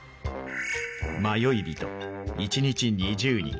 迷い人一日２０人。